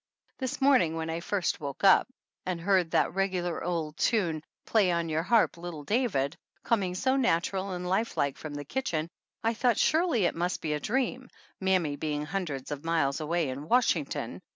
This morning when I first woke up and heard that regular old tune, Play on Your Harp, Little David, coming so natural and lifelike from the kitchen I thought surely it must be a dream, mammy being hundreds of miles away in Washington.